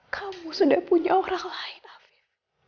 kamu sudah punya orang lain afir